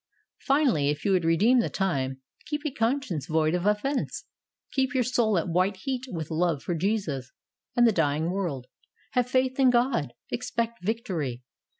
Finally, if you would redeem the time, keep a conscience void of offence, keep your soul at white heat with love for Jesus and the dying world, "Have faith in God." Expect victory.